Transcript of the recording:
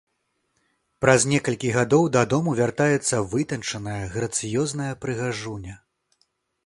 Праз некалькі гадоў дадому вяртаецца вытанчаная, грацыёзная прыгажуня.